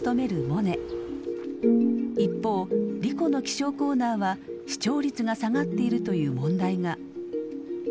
一方莉子の気象コーナーは視聴率が下がっているという問題が。